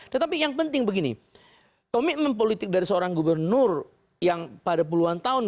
tetapi yang penting begini komitmen politik dari seorang gubernur yang pada puluhan tahun